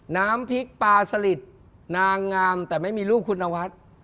น้ำพริกปลาสลิดนางงามแต่ไม่มีลูกคุณนวัฒน์